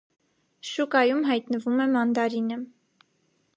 Շուկայում հայտնվում է մանդարինը։